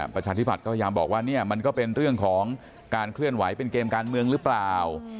ประชาธิบัติก็พยายามบอกว่าเนี่ยมันก็เป็นเรื่องของการเคลื่อนไหวเป็นเกมการเมืองหรือเปล่า